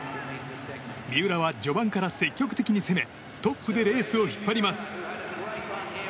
三浦は序盤から積極的に攻めトップでレースを引っ張ります。